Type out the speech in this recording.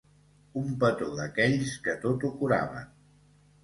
Un petó d'aquells que tot ho curaven.